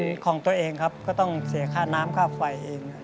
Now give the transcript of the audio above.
เป็นของตัวเองครับก็ต้องเสียค่าน้ำค่าไฟเอง